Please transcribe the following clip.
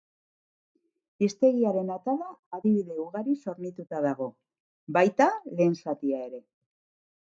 Hiztegiaren atala adibide ugariz hornituta dago, baita lehen zatia ere.